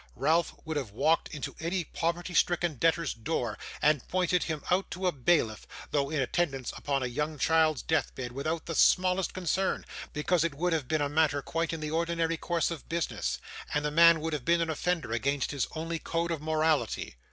Ralph would have walked into any poverty stricken debtor's house, and pointed him out to a bailiff, though in attendance upon a young child's death bed, without the smallest concern, because it would have been a matter quite in the ordinary course of business, and the man would have been an offender against his only code of morality.